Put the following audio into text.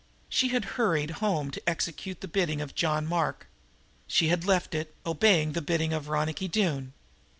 She had hurried home to execute the bidding of John Mark. She had left it, obeying the bidding of Ronicky Doone.